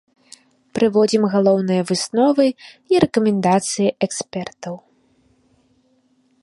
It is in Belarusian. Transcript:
Прыводзім галоўныя высновы і рэкамендацыі экспертаў.